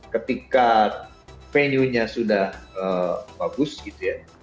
ketika venue nya sudah bagus gitu ya